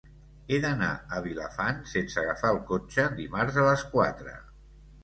He d'anar a Vilafant sense agafar el cotxe dimarts a les quatre.